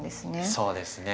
そうですね。